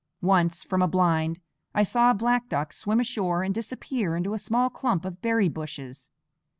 Once, from a blind, I saw a black duck swim ashore and disappear into a small clump of berry bushes.